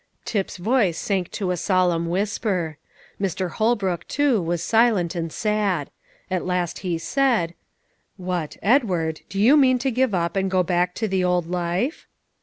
Tip's voice sank to a solemn whisper. Mr. Holbrook, too, was silent and sad; at last he said, "What, Edward! do you mean to give up, and go back to the old life?"